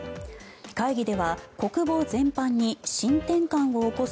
会議では国防全般に新転換を起こす